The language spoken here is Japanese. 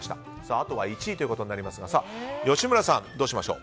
あとは１位ということになりますが吉村さん、どうしましょう。